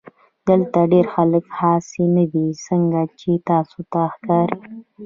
دلته ډېر خلک هغسې نۀ دي څنګه چې تاسو ته ښکاري